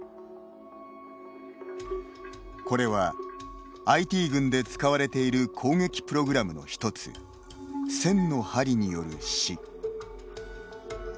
これはＩＴ軍で使われている攻撃プログラムの１つ千の針による死。